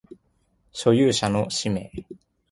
所有者の氏名